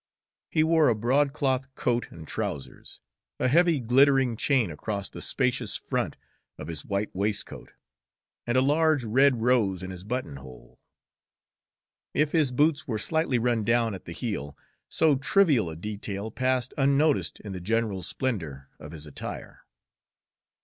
He wore a broadcloth coat and trousers, a heavy glittering chain across the spacious front of his white waistcoat, and a large red rose in his buttonhole. If his boots were slightly run down at the heel, so trivial a detail passed unnoticed in the general splendor of his attire.